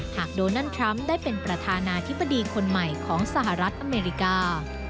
โดนัลด์ทรัมป์ได้เป็นประธานาธิบดีคนใหม่ของสหรัฐอเมริกา